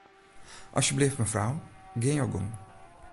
Asjebleaft mefrou, gean jo gong.